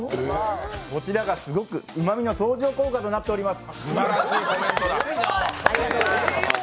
こちらがすごくうまみの相乗効果となっております。